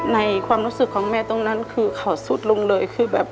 ในความรู้สึกของแม่ตรงนั้นนี่ก็เก่าสุดลงเลย